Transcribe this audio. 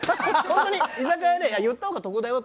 本当に居酒屋で言ったほうが得だよ